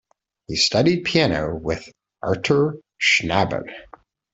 He studied piano with Artur Schnabel.